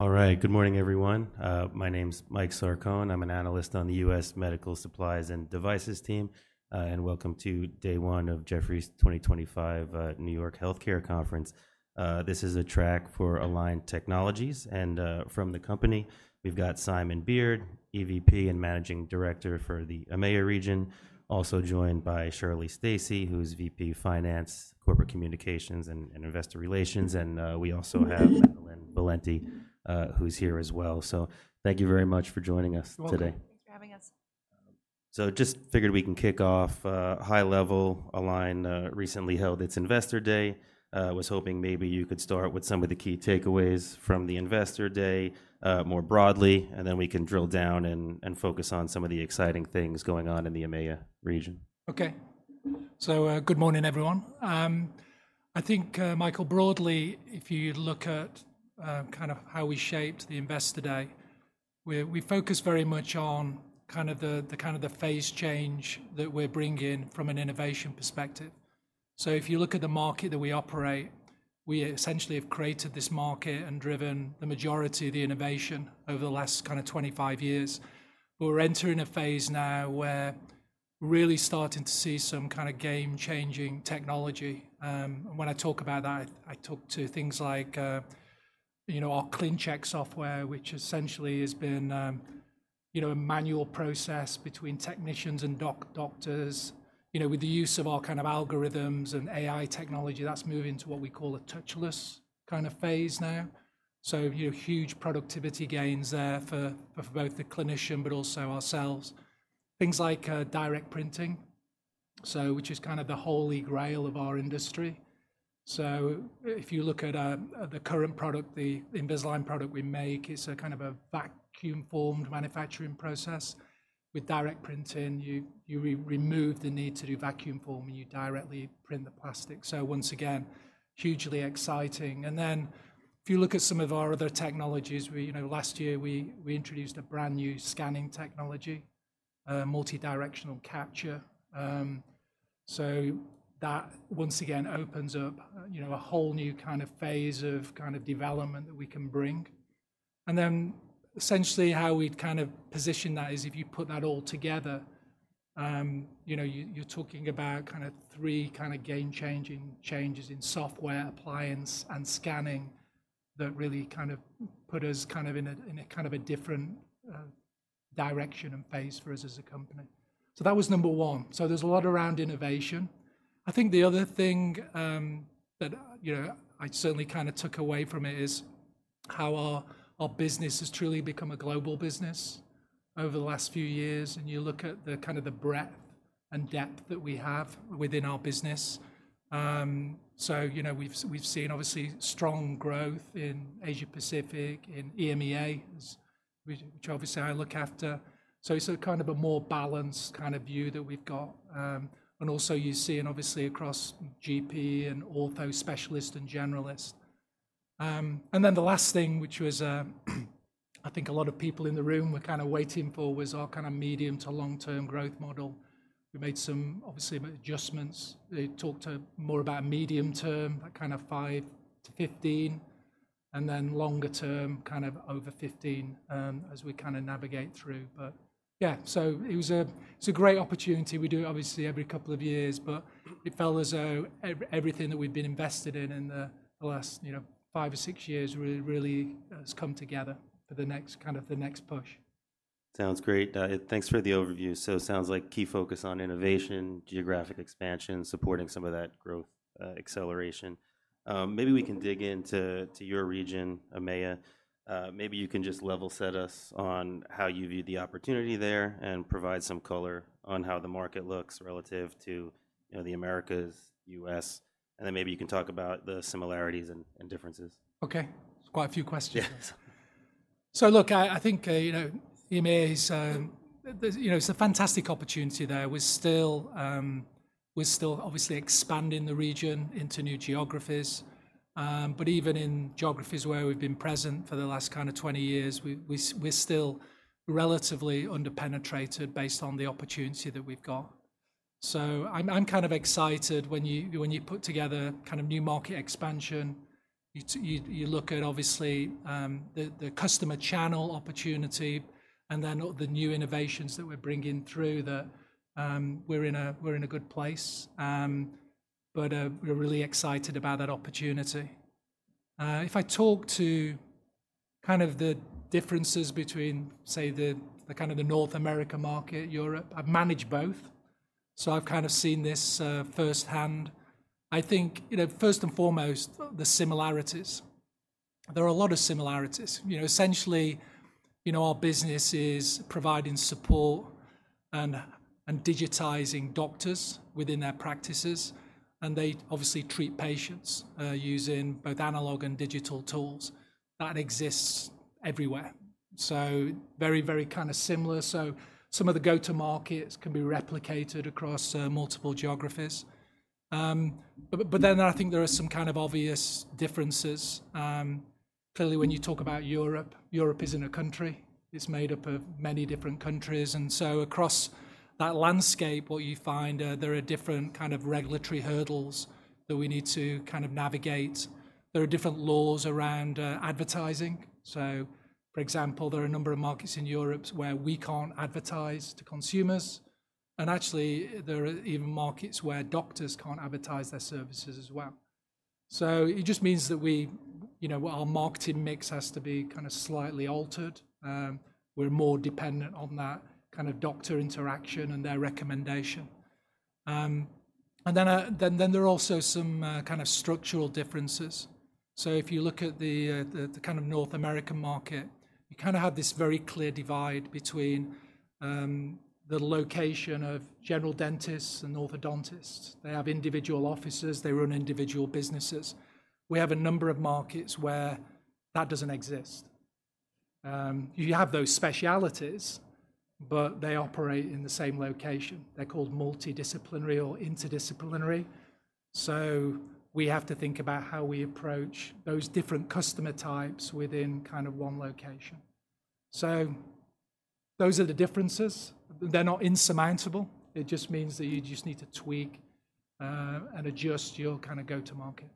All right, good morning, everyone. My name's Mike Sarkon. I'm an analyst on the U.S. Medical Supplies and Devices team, and welcome to day one of Jefferies 2025 New York Healthcare Conference. This is a track for Align Technologies. From the company, we've got Simon Beard, EVP and Managing Director for the EMEA region, also joined by Shirley Stacy, who's VP Finance, Corporate Communications and Investor Relations. We also have Madelyn Valente, who's here as well. Thank you very much for joining us today. Thanks for having us. Just figured we can kick off high level. Align recently held its Investor Day. I was hoping maybe you could start with some of the key takeaways from the Investor Day more broadly, and then we can drill down and focus on some of the exciting things going on in the EMEA region. Okay, so good morning, everyone. I think, Michael, broadly, if you look at kind of how we shaped the Investor Day, we focus very much on kind of the phase change that we're bringing from an innovation perspective. If you look at the market that we operate, we essentially have created this market and driven the majority of the innovation over the last 25 years. We're entering a phase now where we're really starting to see some kind of game-changing technology. When I talk about that, I talk to things like, you know, our ClinCheck software, which essentially has been, you know, a manual process between technicians and doctors, you know, with the use of our kind of algorithms and AI technology. That's moving to what we call a touchless kind of phase now. You know, huge productivity gains there for both the clinician, but also ourselves. Things like direct printing, which is kind of the holy grail of our industry. If you look at the current product, the Invisalign product we make, it's a kind of a vacuum-formed manufacturing process. With direct printing, you remove the need to do vacuum form and you directly print the plastic. Once again, hugely exciting. If you look at some of our other technologies, you know, last year we introduced a brand new scanning technology, multidirectional capture. That once again opens up, you know, a whole new kind of phase of kind of development that we can bring. Essentially how we'd kind of position that is if you put that all together, you know, you're talking about kind of three kind of game-changing changes in software, appliance, and scanning that really kind of put us kind of in a kind of a different direction and phase for us as a company. That was number one. There is a lot around innovation. I think the other thing that, you know, I certainly kind of took away from it is how our business has truly become a global business over the last few years. You look at the kind of the breadth and depth that we have within our business. You know, we've seen obviously strong growth in Asia Pacific, in EMEA, which obviously I look after. It is a kind of a more balanced kind of view that we've got. You see it obviously across GP and ortho specialists and generalists. The last thing, which I think a lot of people in the room were kind of waiting for, was our kind of medium to long-term growth model. We made some adjustments. They talked more about medium term, that kind of five to 15, and then longer term kind of over 15 as we navigate through. It was a great opportunity. We do it every couple of years, but it felt as though everything that we have been invested in in the last five or six years really has come together for the next push. Sounds great. Thanks for the overview. It sounds like key focus on innovation, geographic expansion, supporting some of that growth acceleration. Maybe we can dig into your region, EMEA. Maybe you can just level set us on how you view the opportunity there and provide some color on how the market looks relative to, you know, the Americas, U.S. Then maybe you can talk about the similarities and differences. Okay, it's quite a few questions. Look, I think, you know, EMEA is, you know, it's a fantastic opportunity there. We're still obviously expanding the region into new geographies. Even in geographies where we've been present for the last kind of 20 years, we're still relatively under-penetrated based on the opportunity that we've got. I'm kind of excited when you put together kind of new market expansion. You look at obviously the customer channel opportunity and then the new innovations that we're bringing through that we're in a good place. We're really excited about that opportunity. If I talk to kind of the differences between, say, the kind of the North America market, Europe, I've managed both. I've kind of seen this firsthand. I think, you know, first and foremost, the similarities. There are a lot of similarities. You know, essentially, you know, our business is providing support and digitizing doctors within their practices. They obviously treat patients using both analog and digital tools that exist everywhere. Very, very kind of similar. Some of the go-to markets can be replicated across multiple geographies. I think there are some kind of obvious differences. Clearly, when you talk about Europe, Europe is not a country. It is made up of many different countries. Across that landscape, what you find, there are different kind of regulatory hurdles that we need to kind of navigate. There are different laws around advertising. For example, there are a number of markets in Europe where we cannot advertise to consumers. Actually, there are even markets where doctors cannot advertise their services as well. It just means that we, you know, our marketing mix has to be kind of slightly altered. We're more dependent on that kind of doctor interaction and their recommendation. Then there are also some kind of structural differences. If you look at the kind of North American market, you kind of have this very clear divide between the location of general dentists and orthodontists. They have individual offices. They run individual businesses. We have a number of markets where that doesn't exist. You have those specialties, but they operate in the same location. They're called multidisciplinary or interdisciplinary. We have to think about how we approach those different customer types within kind of one location. Those are the differences. They're not insurmountable. It just means that you just need to tweak and adjust your kind of go-to market.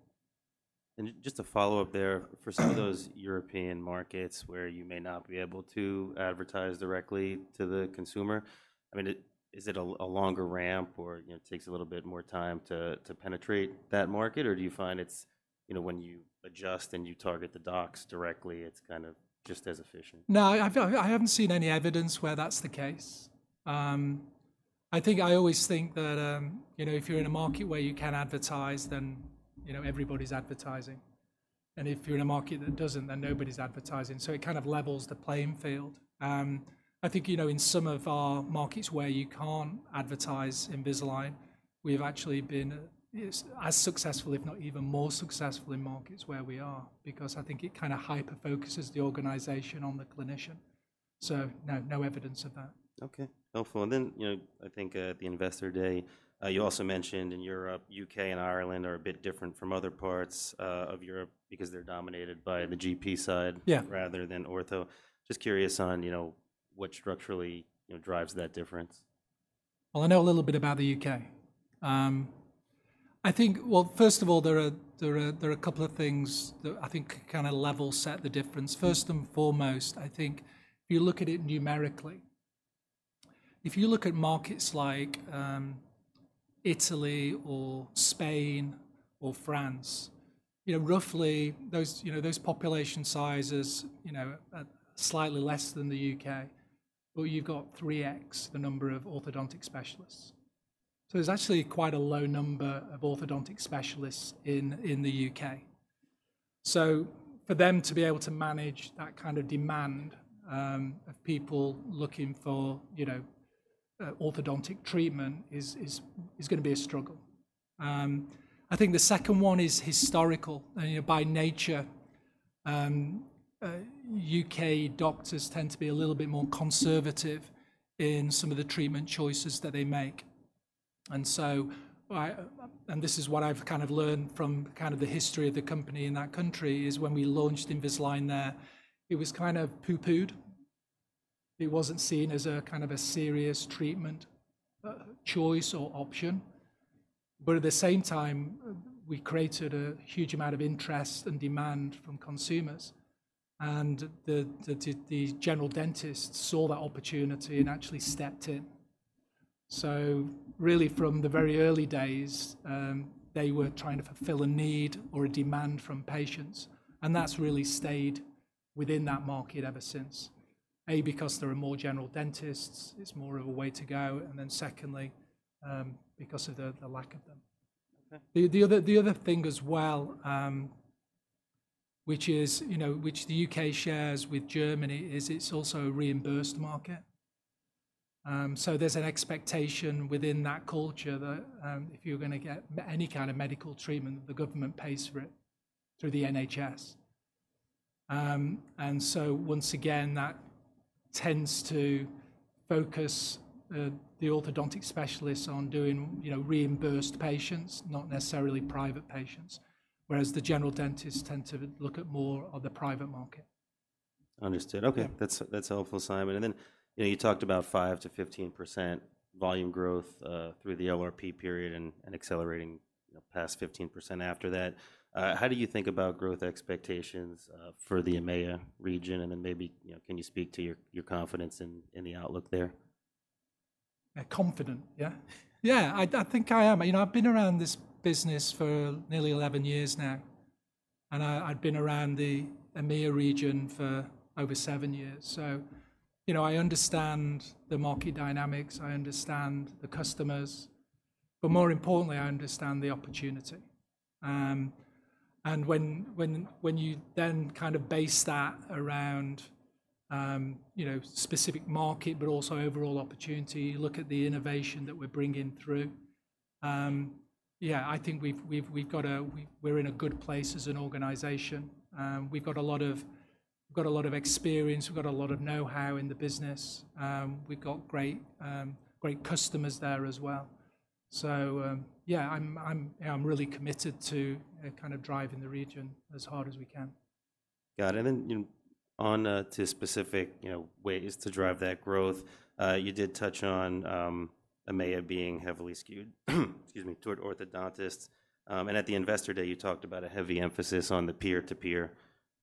Just to follow up there, for some of those European markets where you may not be able to advertise directly to the consumer, I mean, is it a longer ramp or, you know, it takes a little bit more time to penetrate that market? Or do you find it's, you know, when you adjust and you target the docs directly, it's kind of just as efficient? No, I haven't seen any evidence where that's the case. I think I always think that, you know, if you're in a market where you can advertise, then, you know, everybody's advertising. If you're in a market that doesn't, then nobody's advertising. It kind of levels the playing field. I think, you know, in some of our markets where you can't advertise Invisalign, we've actually been as successful, if not even more successful in markets where we are, because I think it kind of hyper-focuses the organization on the clinician. No, no evidence of that. Okay, helpful. And then, you know, I think at the Investor Day, you also mentioned in Europe, U.K. and Ireland are a bit different from other parts of Europe because they're dominated by the GP side rather than ortho. Just curious on, you know, what structurally drives that difference? I know a little bit about the U.K. I think, first of all, there are a couple of things that I think kind of level set the difference. First and foremost, I think if you look at it numerically, if you look at markets like Italy or Spain or France, you know, roughly those population sizes, you know, slightly less than the U.K., but you've got 3X the number of orthodontic specialists. So there's actually quite a low number of orthodontic specialists in the U.K. For them to be able to manage that kind of demand of people looking for, you know, orthodontic treatment is going to be a struggle. I think the second one is historical. You know, by nature, U.K. doctors tend to be a little bit more conservative in some of the treatment choices that they make. This is what I've kind of learned from kind of the history of the company in that country. When we launched Invisalign there, it was kind of pooh-poohed. It wasn't seen as a kind of a serious treatment choice or option. At the same time, we created a huge amount of interest and demand from consumers. The general dentists saw that opportunity and actually stepped in. Really from the very early days, they were trying to fulfill a need or a demand from patients. That's really stayed within that market ever since, because there are more general dentists, it's more of a way to go. Secondly, because of the lack of them. The other thing as well, which is, you know, which the U.K. shares with Germany, is it's also a reimbursed market. There's an expectation within that culture that if you're going to get any kind of medical treatment, the government pays for it through the NHS. And so once again, that tends to focus the orthodontic specialists on doing, you know, reimbursed patients, not necessarily private patients, whereas the general dentists tend to look at more of the private market. Understood. Okay, that's helpful, Simon. And then, you know, you talked about 5%-15% volume growth through the LRP period and accelerating past 15% after that. How do you think about growth expectations for the EMEA region? And then maybe, you know, can you speak to your confidence in the outlook there? Confident, yeah. Yeah, I think I am. You know, I've been around this business for nearly 11 years now. And I've been around the EMEA region for over seven years. You know, I understand the market dynamics. I understand the customers. But more importantly, I understand the opportunity. When you then kind of base that around, you know, specific market, but also overall opportunity, you look at the innovation that we're bringing through, yeah, I think we've got a, we're in a good place as an organization. We've got a lot of, we've got a lot of experience. We've got a lot of know-how in the business. We've got great customers there as well. Yeah, I'm really committed to kind of driving the region as hard as we can. Got it. And then, you know, on to specific, you know, ways to drive that growth, you did touch on EMEA being heavily skewed, excuse me, toward orthodontists. At the Investor Day, you talked about a heavy emphasis on the peer-to-peer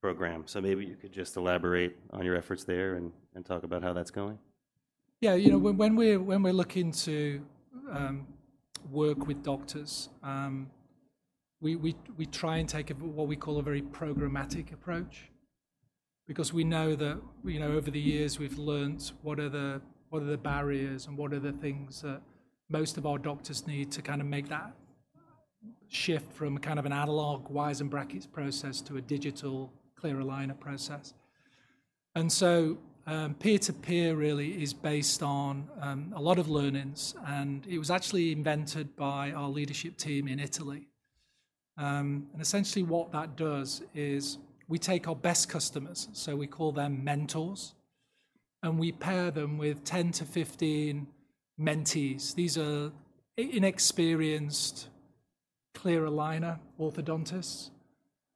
program. Maybe you could just elaborate on your efforts there and talk about how that's going. Yeah, you know, when we're looking to work with doctors, we try and take what we call a very programmatic approach because we know that, you know, over the years, we've learned what are the barriers and what are the things that most of our doctors need to kind of make that shift from kind of an analog, wires and brackets process to a digital clear aligner process. Peer-to-peer really is based on a lot of learnings. It was actually invented by our leadership team in Italy. Essentially what that does is we take our best customers, so we call them mentors, and we pair them with 10 to 15 mentees. These are inexperienced clear aligner orthodontists.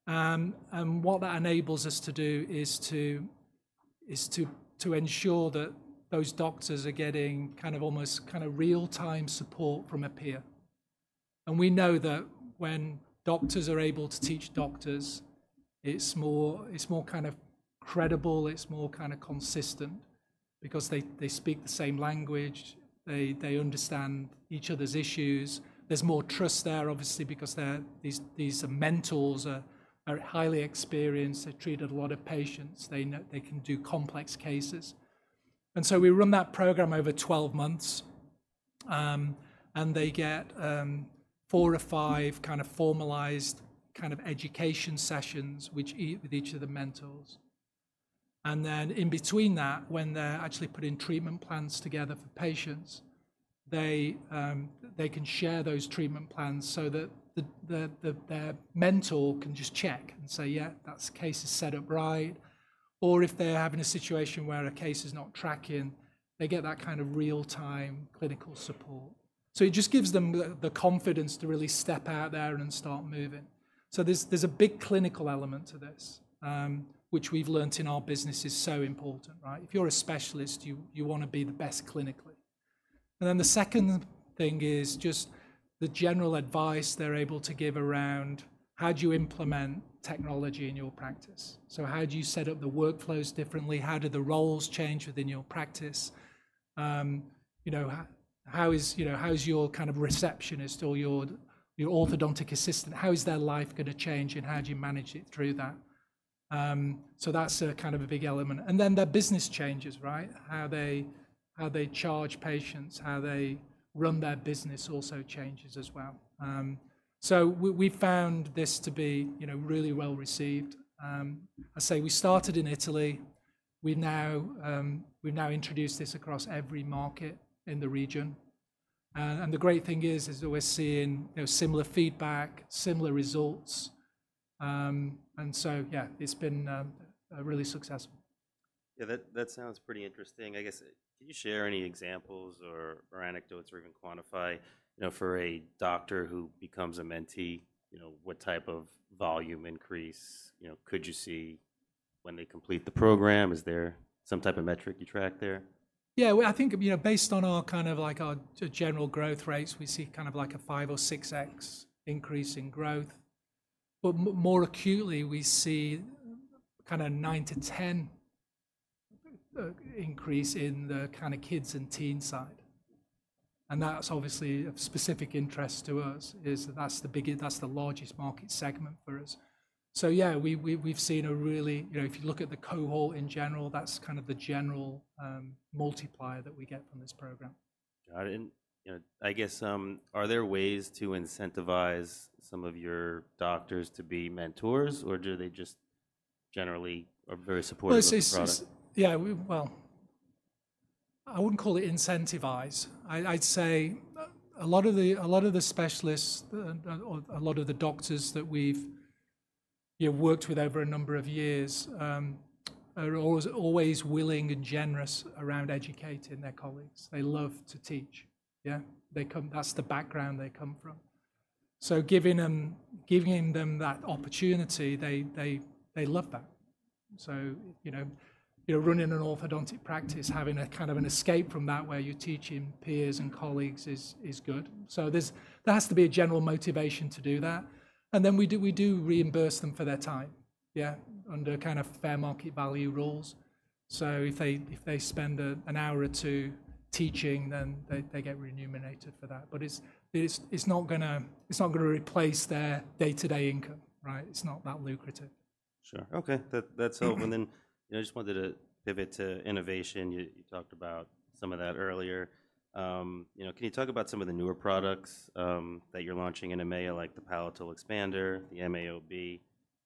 What that enables us to do is to ensure that those doctors are getting kind of almost kind of real-time support from a peer. We know that when doctors are able to teach doctors, it is more kind of credible. It is more kind of consistent because they speak the same language. They understand each other's issues. There is more trust there, obviously, because these mentors are highly experienced. They have treated a lot of patients. They can do complex cases. We run that program over 12 months. They get four or five kind of formalized kind of education sessions with each of the mentors. In between that, when they are actually putting treatment plans together for patients, they can share those treatment plans so that their mentor can just check and say, "Yeah, that case is set up right." If they are having a situation where a case is not tracking, they get that kind of real-time clinical support. It just gives them the confidence to really step out there and start moving. There is a big clinical element to this, which we've learned in our business is so important, right? If you're a specialist, you want to be the best clinically. The second thing is just the general advice they're able to give around how do you implement technology in your practice. How do you set up the workflows differently? How do the roles change within your practice? You know, how is your kind of receptionist or your orthodontic assistant, how is their life going to change and how do you manage it through that? That is kind of a big element. Their business changes, right? How they charge patients, how they run their business also changes as well. We found this to be, you know, really well received. I say we started in Italy. We've now introduced this across every market in the region. The great thing is, is that we're seeing similar feedback, similar results. Yeah, it's been really successful. Yeah, that sounds pretty interesting. I guess, can you share any examples or anecdotes or even quantify, you know, for a doctor who becomes a mentee, you know, what type of volume increase, you know, could you see when they complete the program? Is there some type of metric you track there? Yeah, I think, you know, based on our kind of like our general growth rates, we see kind of like a 5X or 6X increase in growth. More acutely, we see kind of nine to 10 increase in the kind of kids and teen side. That is obviously a specific interest to us is that that is the largest market segment for us. Yeah, we have seen a really, you know, if you look at the cohort in general, that is kind of the general multiplier that we get from this program. Got it. And, you know, I guess, are there ways to incentivize some of your doctors to be mentors or do they just generally are very supportive of the process? Yeah, I wouldn't call it incentivize. I'd say a lot of the specialists, a lot of the doctors that we've worked with over a number of years are always willing and generous around educating their colleagues. They love to teach. Yeah, that's the background they come from. Giving them that opportunity, they love that. You know, running an orthodontic practice, having a kind of an escape from that where you're teaching peers and colleagues is good. There has to be a general motivation to do that. We do reimburse them for their time, yeah, under kind of fair market value rules. If they spend an hour or two teaching, then they get remunerated for that. It's not going to replace their day-to-day income, right? It's not that lucrative. Sure. Okay, that's helpful. You know, I just wanted to pivot to innovation. You talked about some of that earlier. You know, can you talk about some of the newer products that you're launching in EMEA, like the palatal expander, the MAOB?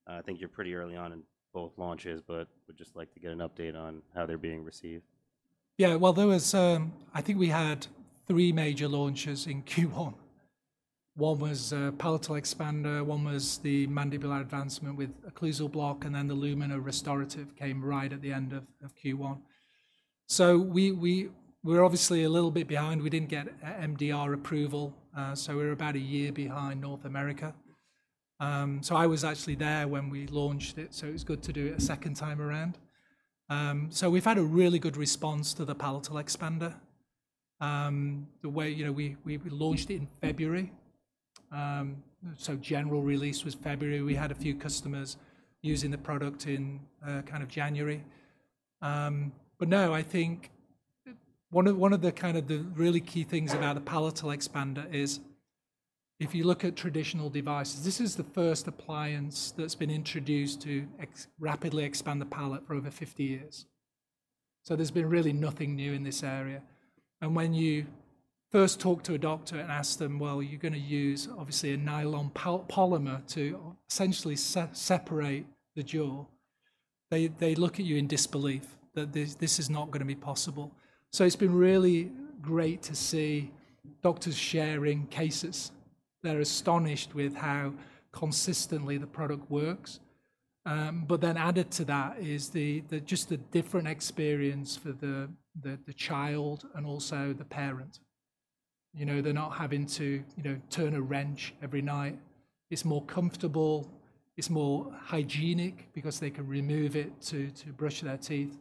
I think you're pretty early on in both launches, but would just like to get an update on how they're being received. Yeah, there was, I think we had three major launches in Q1. One was palatal expander. One was the mandibular advancement with occlusal block. Then the Lumina Restorative came right at the end of Q1. We are obviously a little bit behind. We did not get MDR approval. We are about a year behind North America. I was actually there when we launched it. It was good to do it a second time around. We have had a really good response to the palatal expander. The way, you know, we launched it in February. General release was February. We had a few customers using the product in kind of January. No, I think one of the really key things about the palatal expander is if you look at traditional devices, this is the first appliance that's been introduced to rapidly expand the palate for over 50 years. There has been really nothing new in this area. When you first talk to a doctor and ask them, well, you're going to use obviously a nylon polymer to essentially separate the jaw, they look at you in disbelief that this is not going to be possible. It has been really great to see doctors sharing cases. They're astonished with how consistently the product works. Added to that is just the different experience for the child and also the parent. You know, they're not having to, you know, turn a wrench every night. It's more comfortable. It's more hygienic because they can remove it to brush their teeth.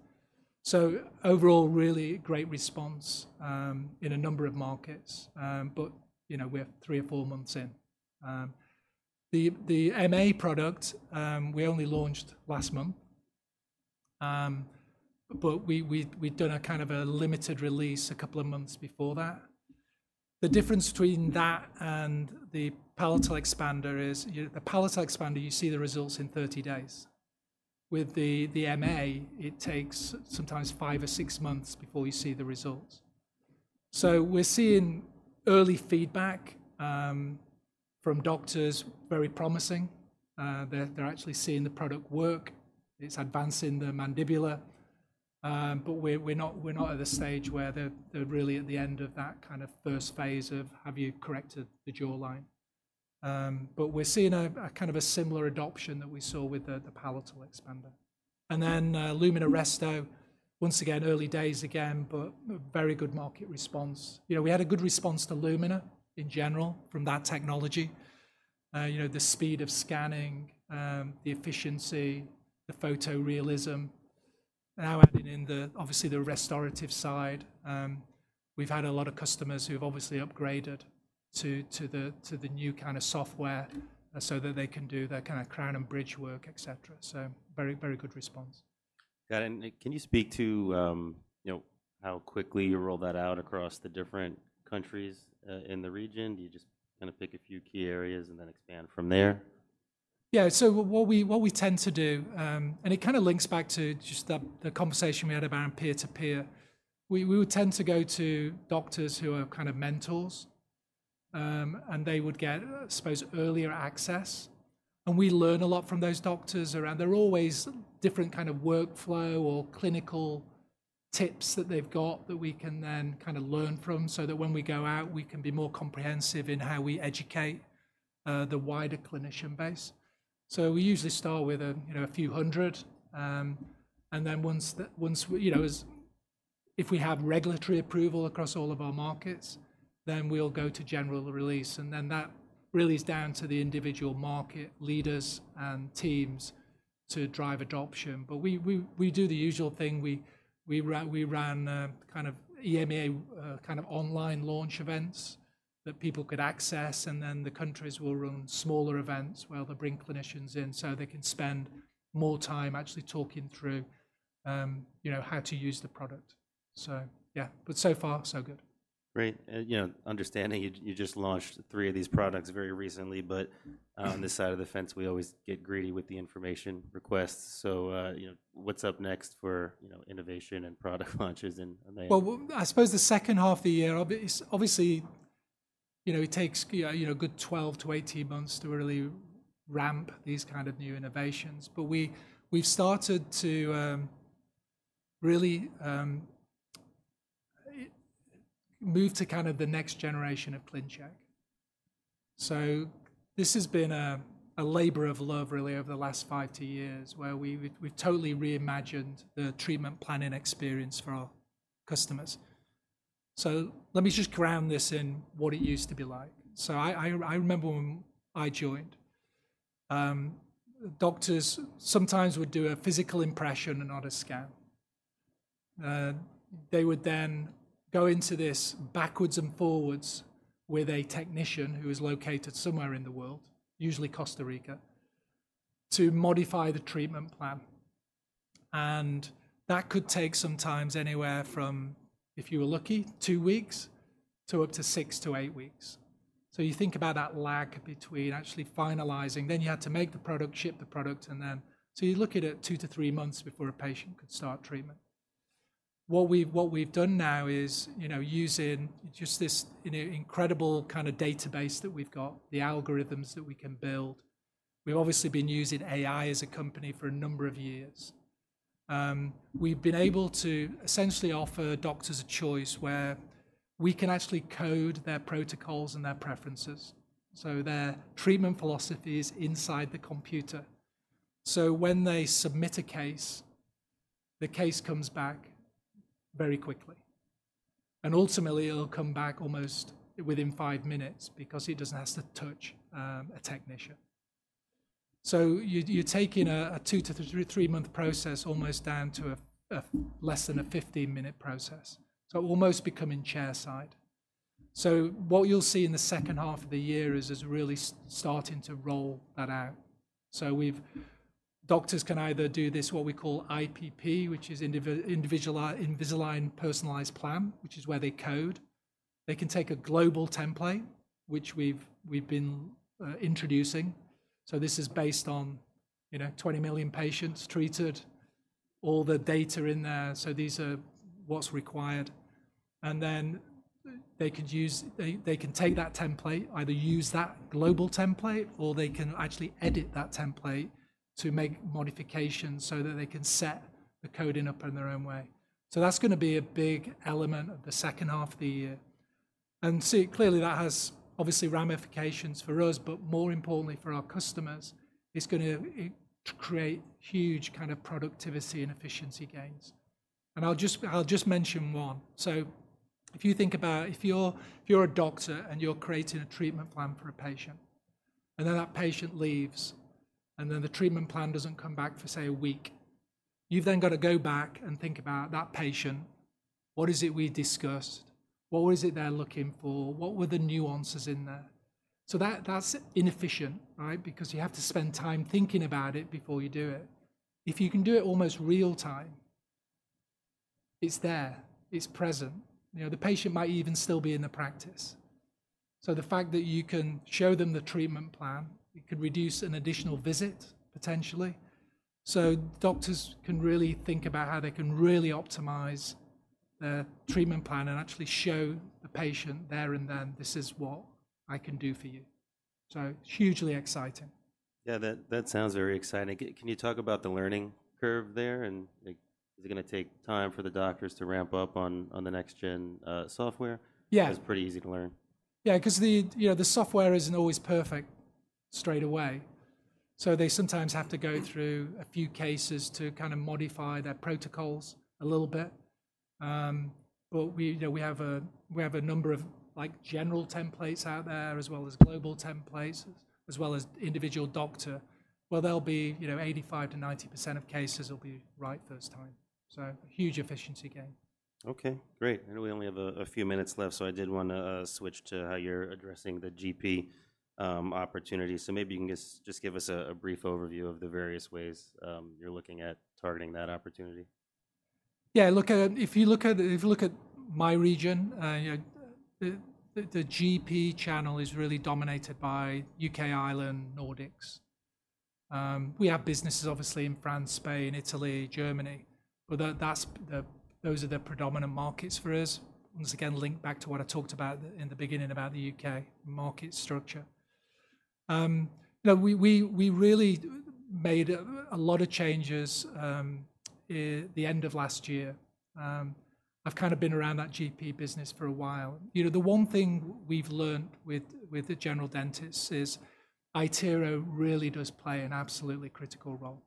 Overall, really great response in a number of markets. You know, we're three or four months in. The MA product, we only launched last month. We've done a kind of a limited release a couple of months before that. The difference between that and the palatal expander is the palatal expander, you see the results in 30 days. With the MA, it takes sometimes five or six months before you see the results. We're seeing early feedback from doctors, very promising. They're actually seeing the product work. It's advancing the mandibular. We're not at the stage where they're really at the end of that kind of first phase of have you corrected the jawline. We're seeing a kind of a similar adoption that we saw with the palatal expander. Lumina Resto, once again, early days again, but very good market response. You know, we had a good response to Lumina in general from that technology. You know, the speed of scanning, the efficiency, the photo realism. Now adding in the, obviously, the restorative side. We have had a lot of customers who have obviously upgraded to the new kind of software so that they can do their kind of crown and bridge work, etc. Very, very good response. Got it. And can you speak to, you know, how quickly you rolled that out across the different countries in the region? Do you just kind of pick a few key areas and then expand from there? Yeah, so what we tend to do, and it kind of links back to just the conversation we had about peer-to-peer, we would tend to go to doctors who are kind of mentors. They would get, I suppose, earlier access. We learn a lot from those doctors around. There are always different kind of workflow or clinical tips that they've got that we can then kind of learn from so that when we go out, we can be more comprehensive in how we educate the wider clinician base. We usually start with a few hundred. Once, you know, if we have regulatory approval across all of our markets, we go to general release. That really is down to the individual market leaders and teams to drive adoption. We do the usual thing. We ran kind of EMEA kind of online launch events that people could access. The countries will run smaller events where they'll bring clinicians in so they can spend more time actually talking through, you know, how to use the product. So yeah, but so far, so good. Great. You know, understanding you just launched three of these products very recently, but on this side of the fence, we always get greedy with the information requests. What's up next for innovation and product launches? I suppose the second half of the year, obviously, you know, it takes a good 12 to 18 months to really ramp these kind of new innovations. But we've started to really move to kind of the next generation of ClinCheck. This has been a labor of love, really, over the last five to two years where we've totally reimagined the treatment planning experience for our customers. Let me just ground this in what it used to be like. I remember when I joined, doctors sometimes would do a physical impression and not a scan. They would then go into this backwards and forwards with a technician who is located somewhere in the world, usually Costa Rica, to modify the treatment plan. That could take sometimes anywhere from, if you were lucky, two weeks to up to six to eight weeks. You think about that lag between actually finalizing, then you had to make the product, ship the product, and then. You look at it two to three months before a patient could start treatment. What we've done now is, you know, using just this incredible kind of database that we've got, the algorithms that we can build. We've obviously been using AI as a company for a number of years. We've been able to essentially offer doctors a choice where we can actually code their protocols and their preferences. Their treatment philosophy is inside the computer. When they submit a case, the case comes back very quickly. Ultimately, it'll come back almost within five minutes because it doesn't have to touch a technician. You're taking a two to three-month process almost down to less than a 15-minute process. Almost becoming chairside. What you'll see in the second half of the year is really starting to roll that out. Doctors can either do this, what we call IPP, which is Individual Personalized Plan, which is where they code. They can take a global template, which we've been introducing. This is based on, you know, 20 million patients treated, all the data in there. These are what's required. They can take that template, either use that global template, or they can actually edit that template to make modifications so that they can set the coding up in their own way. That's going to be a big element of the second half of the year. Clearly, that has obviously ramifications for us, but more importantly for our customers, it's going to create huge kind of productivity and efficiency gains. I'll just mention one. If you think about if you're a doctor and you're creating a treatment plan for a patient, and then that patient leaves, and then the treatment plan doesn't come back for, say, a week, you've then got to go back and think about that patient. What is it we discussed? What is it they're looking for? What were the nuances in there? That's inefficient, right? Because you have to spend time thinking about it before you do it. If you can do it almost real time, it's there. It's present. You know, the patient might even still be in the practice. The fact that you can show them the treatment plan, it could reduce an additional visit, potentially. Doctors can really think about how they can really optimize their treatment plan and actually show the patient there and then, this is what I can do for you. It is hugely exciting. Yeah, that sounds very exciting. Can you talk about the learning curve there? Is it going to take time for the doctors to ramp up on the next-gen software? Yeah. Because it's pretty easy to learn. Yeah, because the software isn't always perfect straight away. They sometimes have to go through a few cases to kind of modify their protocols a little bit. We have a number of general templates out there as well as global templates, as well as individual doctor. There will be 85%-90% of cases will be right first time. Huge efficiency gain. Okay, great. I know we only have a few minutes left. I did want to switch to how you're addressing the GP opportunity. Maybe you can just give us a brief overview of the various ways you're looking at targeting that opportunity. Yeah, look, if you look at my region, the GP channel is really dominated by the U.K., Ireland, Nordics. We have businesses, obviously, in France, Spain, Italy, Germany. Those are the predominant markets for us. Once again, link back to what I talked about in the beginning about the U.K. market structure. We really made a lot of changes at the end of last year. I've kind of been around that GP business for a while. You know, the one thing we've learned with the general dentists is iTero really does play an absolutely critical role.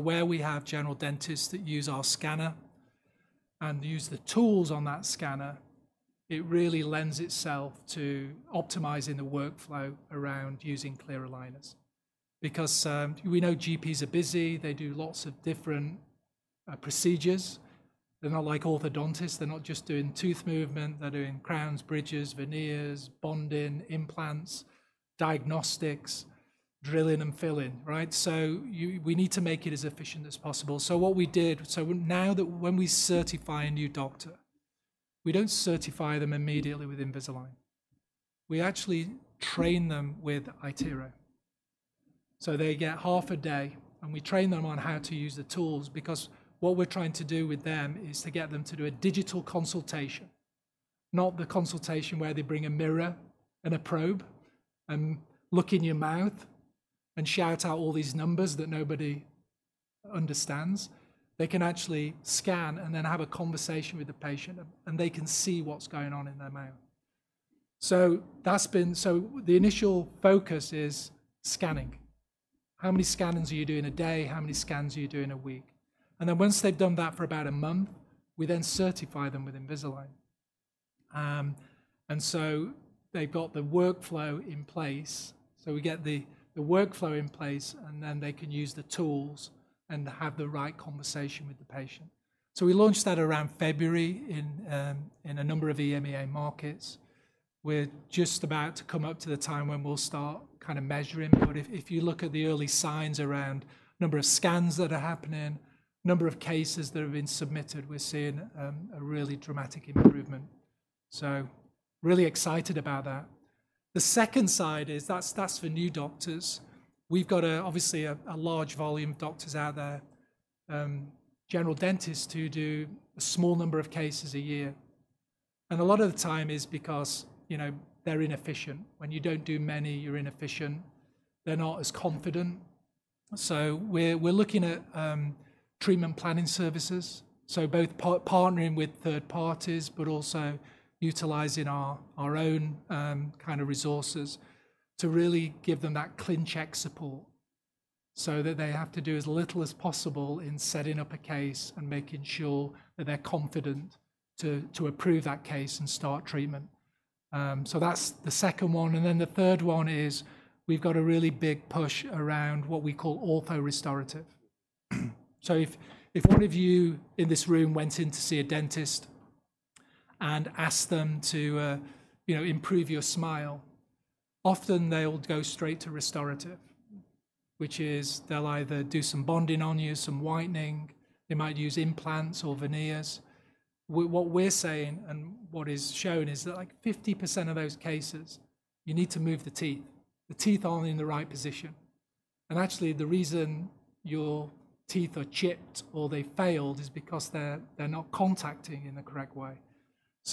Where we have general dentists that use our scanner and use the tools on that scanner, it really lends itself to optimizing the workflow around using clear aligners. Because we know GPs are busy. They do lots of different procedures. They're not like orthodontists. They're not just doing tooth movement. They're doing crowns, bridges, veneers, bonding, implants, diagnostics, drilling and filling, right? We need to make it as efficient as possible. What we did, now when we certify a new doctor, we don't certify them immediately with Invisalign. We actually train them with iTero. They get half a day, and we train them on how to use the tools. What we're trying to do with them is to get them to do a digital consultation, not the consultation where they bring a mirror and a probe and look in your mouth and shout out all these numbers that nobody understands. They can actually scan and then have a conversation with the patient, and they can see what's going on in their mouth. The initial focus is scanning. How many scans are you doing a day? How many scans are you doing a week? And then once they've done that for about a month, we then certify them with Invisalign. And so they've got the workflow in place. We get the workflow in place, and then they can use the tools and have the right conversation with the patient. We launched that around February in a number of EMEA markets. We're just about to come up to the time when we'll start kind of measuring. If you look at the early signs around number of scans that are happening, number of cases that have been submitted, we're seeing a really dramatic improvement. Really excited about that. The second side is that's for new doctors. We've got obviously a large volume of doctors out there, general dentists who do a small number of cases a year. A lot of the time is because, you know, they're inefficient. When you don't do many, you're inefficient. They're not as confident. We are looking at treatment planning services. Both partnering with third parties, but also utilizing our own kind of resources to really give them that ClinCheck support so that they have to do as little as possible in setting up a case and making sure that they're confident to approve that case and start treatment. That is the second one. The third one is we've got a really big push around what we call orthorestorative. If one of you in this room went in to see a dentist and asked them to improve your smile, often they'll go straight to restorative, which is they'll either do some bonding on you, some whitening. They might use implants or veneers. What we're saying and what is shown is that like 50% of those cases, you need to move the teeth. The teeth aren't in the right position. Actually, the reason your teeth are chipped or they failed is because they're not contacting in the correct way.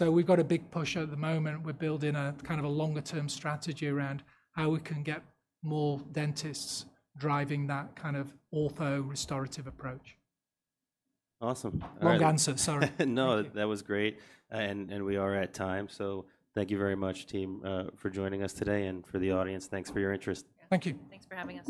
We've got a big push at the moment. We're building a kind of a longer-term strategy around how we can get more dentists driving that kind of orthorestorative approach. Awesome. Long answer, sorry. No, that was great. We are at time. Thank you very much, team, for joining us today and for the audience. Thanks for your interest. Thank you. Thanks for having us.